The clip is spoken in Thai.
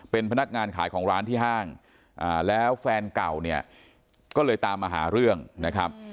เป็นพนักงานขายของร้านที่ห้างแล้วแฟนเก่าเนี่ยก็เลยตามมาหาเรื่องนะครับ